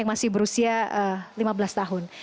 masih berusia lima belas tahun